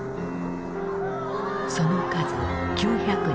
その数９００人。